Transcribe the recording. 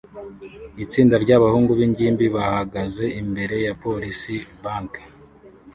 Itsinda ryabahungu bingimbi bahagaze imbere ya Police Bank